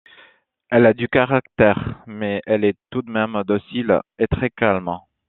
Elle a du caractère mais elle est tout de même docile et très calme.